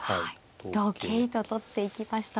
同桂と取っていきました。